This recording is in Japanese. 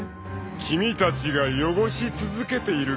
君たちが汚し続けているから］